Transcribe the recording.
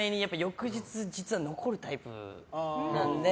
翌日残るタイプなので。